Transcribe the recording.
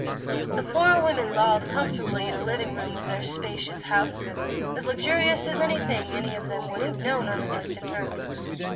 The four women lolled comfortably in the living room of their spacious house, as luxurious as anything any of them would have known on distant Earth.